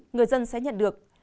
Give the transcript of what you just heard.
người dân sẽ nhận được